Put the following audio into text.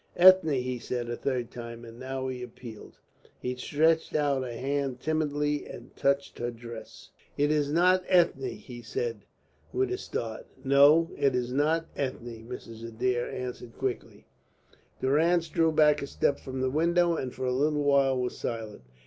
"Ethne," he said a third time, and now he appealed. He stretched out a hand timidly and touched her dress. "It is not Ethne," he said with a start. "No, it is not Ethne," Mrs. Adair answered quickly. Durrance drew back a step from the window, and for a little while was silent.